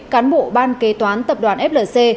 cán bộ ban kế toán tập đoàn flc